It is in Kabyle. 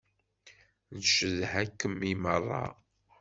Ncedha-kem i meṛṛa.